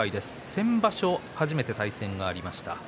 先場所初めて対戦がありました。